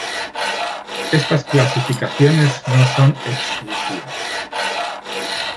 Estas clasificaciones no son exclusivas.